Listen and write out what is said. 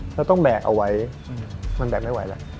เราต้องแบกเอาไว้มันแบกไม่ไหวแล้ว